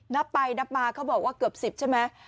นับไปนับมาเขาบอกว่าเกือบ๑๐ใช่ไหม